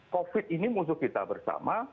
covid ini musuh kita bersama